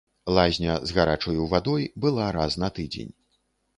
Лазня з гарачаю вадой была раз на тыдзень.